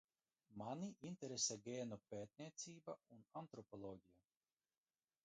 Mani interesē gēnu pētniecība un antropoloģija.